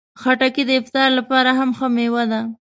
خټکی د افطار لپاره هم ښه مېوه ده.